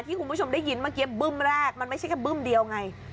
คุณผู้ชมได้ยินเมื่อกี้บึ้มแรกมันไม่ใช่แค่บึ้มเดียวไง